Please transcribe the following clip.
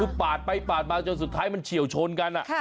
คือปาดไปปาดมาจนสุดท้ายมันเฉียวชนกัน